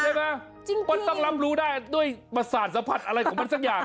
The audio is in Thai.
มันต้องรับรู้ได้ด้วยประสาทสัมผัสอะไรของมันสักอย่าง